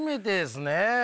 ねえ。